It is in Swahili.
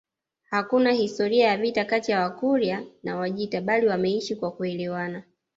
Hakuna historia ya vita kati ya Wakurya na Wajita bali wameishi kwa kuelewana